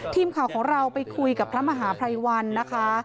ทีมข่าวของเราไปคุยกับพระมหาภัยวันนะคะ